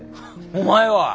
お前は？